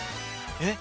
えっ？